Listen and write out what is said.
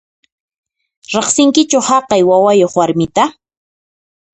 Riqsinkichu haqay wawayuq warmita?